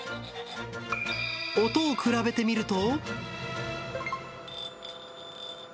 音を比べてみると。